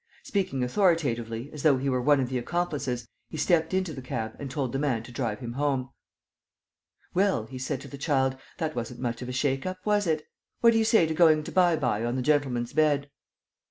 Speaking authoritatively, as though he were one of the accomplices, he stepped into the cab and told the man to drive him home. "Well," he said to the child, "that wasn't much of a shake up, was it?... What do you say to going to bye bye on the gentleman's bed?"